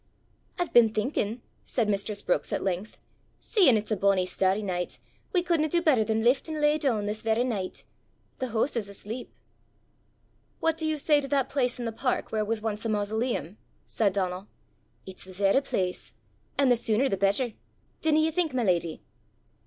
"I've been thinkin'," said mistress Brookes at length, "seein' it's a bonnie starry nicht, we couldna do better than lift an' lay doon this varra nicht. The hoose is asleep." "What do you say to that place in the park where was once a mausoleum?" said Donal. "It's the varra place! an' the sooner the better dinna ye think, my leddy?"